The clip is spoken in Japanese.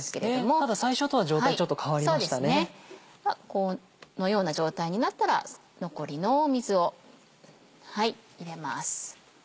このような状態になったら残りの水を入れます。